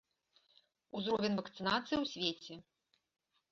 Узровень вакцынацыі ў свеце.